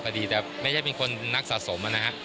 ดีแต่ไม่ใช่เป็นคนนักสะสมนะฮะ